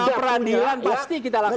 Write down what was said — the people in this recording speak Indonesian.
para peradik pasti kita lakukan